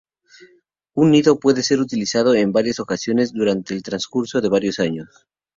Un nido puede ser utilizado en varias ocasiones durante el transcurso de varios años.